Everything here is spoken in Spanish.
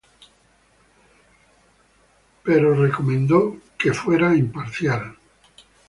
Pero recomendó que debe ser imparcial.